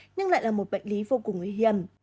nhưng lại là một bệnh lý vô cùng nguy hiểm